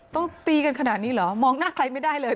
ต้องตีกันคนานิหรอมองหน้าใครไม่ได้เลย